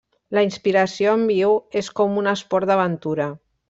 La inspiració en viu és com un esport d'aventura.